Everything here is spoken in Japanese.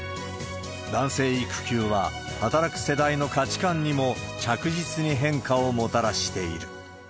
男性育休は、働く世代の価値観にも着実に変化をもたらしている。